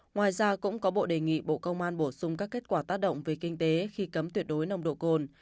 ngoài ra cũng có bộ đề nghị bộ công an bổ sung các kết quả tác động về kinh tế khi cấm tuyệt đối nồng độ cồn